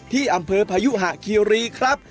ที่อำเภอพยุหะคีรีครับ